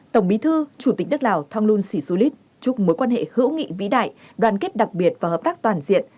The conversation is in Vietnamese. tổng bí thư chủ tịch đức lào thong lôn sĩ xu lít chúc mối quan hệ hữu nghị vĩ đại đoàn kết đặc biệt và hợp tác toàn diện